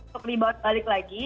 terlibat balik lagi